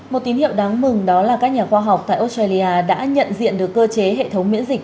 một tín hiệu đáng mừng đó là các nhà khoa học tại australia đã nhận diện được cơ chế hệ thống miễn dịch